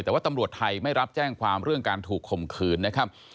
แต่ว่าตำรวจไทยไม่รับแจ้งความเรื่องการถูกข่มขืนนะครับ